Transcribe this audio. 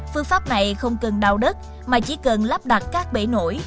phương pháp này không cần đào đất mà chỉ cần lắp đặt các bể nổi